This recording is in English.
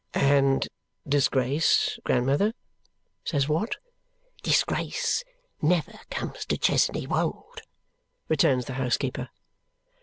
"And disgrace, grandmother " says Watt. "Disgrace never comes to Chesney Wold," returns the housekeeper.